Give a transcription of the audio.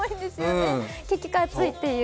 結局、暑いという。